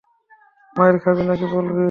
মাইর খাবি নাকি বলবি?